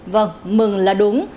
vâng mừng là đúng